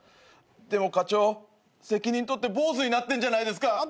でも課長責任取って坊主になってんじゃないですか。